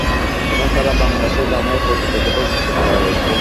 এখন সারা বাংলাদেশে এ দামে প্রতি প্যাকেট বিস্কুট পাওয়া যাচ্ছে।